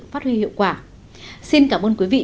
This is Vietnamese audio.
phát huy hiệu quả xin cảm ơn quý vị